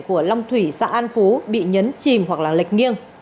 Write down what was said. của long thủy xã an phú bị nhấn chìm hoặc là lệch nghiêng